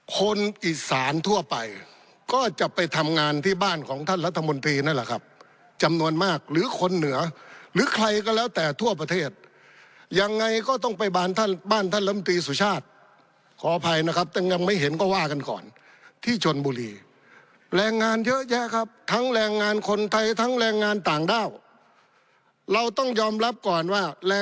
คนอีสานทั่วไปก็จะไปทำงานที่บ้านของท่านรัฐมนตรีนั่นแหละครับจำนวนมากหรือคนเหนือหรือใครก็แล้วแต่ทั่วประเทศยังไงก็ต้องไปบานท่านบ้านท่านลำตีสุชาติขออภัยนะครับแต่ยังไม่เห็นก็ว่ากันก่อนที่ชนบุรีแรงงานเยอะแยะครับทั้งแรงงานคนไทยทั้งแรงงานต่างด้าวเราต้องยอมรับก่อนว่าแ